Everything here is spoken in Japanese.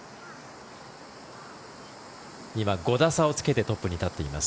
今、５打差をつけてトップに立っています。